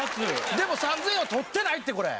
でも３０００円は取ってないってこれ。